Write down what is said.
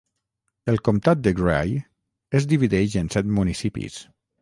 El comtat de Gray es divideix en set municipis.